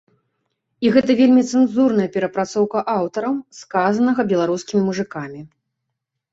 І гэта вельмі цэнзурная перапрацоўка аўтарам сказанага беларускімі мужыкамі.